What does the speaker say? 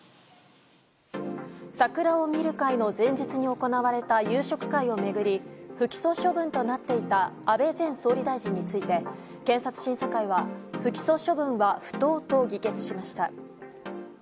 桜を見る会の前日に行われた夕食会を巡り不起訴処分となっていた安倍前総理大臣について検察審査会は不起訴処分は不当と議決しました。